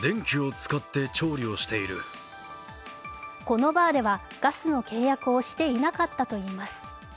このバーではガスの契約をしていなかったといいます。